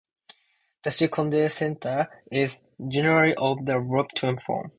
The still-condenser is generally of the worm-tub form.